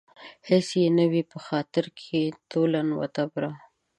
هېڅ يې نه وي په خاطر کې تولاً و تبرا